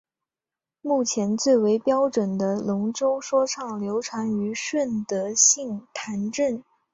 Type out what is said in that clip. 目前最为标准的龙舟说唱流传于顺德杏坛镇。